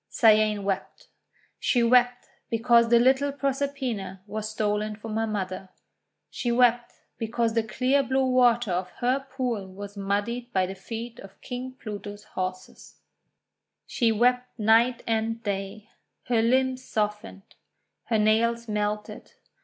Cyane wept. She wept because the little Proserpina was stolen from her mother. She wept because the clear blue water of her pool was muddied by the feet of King Pluto's horses. She wept night and day. Her limbs softened. Her nails melted.